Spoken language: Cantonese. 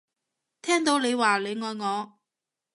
聽到你話你愛我